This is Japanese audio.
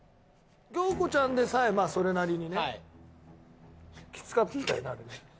京子ちゃんでさえまあそれなりにねきつかったよね